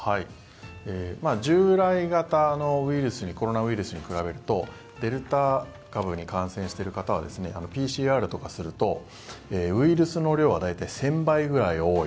従来型のウイルスコロナウイルスに比べるとデルタ株に感染している方はＰＣＲとかするとウイルスの量は大体１０００倍くらい多い。